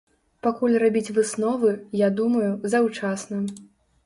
Пакуль рабіць высновы, я думаю, заўчасна.